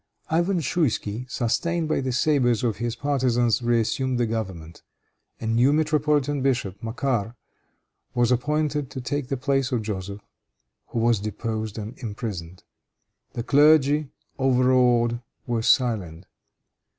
Ivan Schouisky, sustained by the sabers of his partisans, reassumed the government. A new metropolitan bishop, Macaire was appointed to take the place of Joseph, who was deposed and imprisoned. The clergy, overawed, were silent.